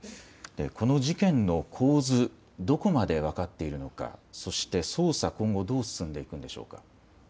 この事件の構図、どこまで分かっているか、そして捜査、今後どう進んでいくのでしょうか。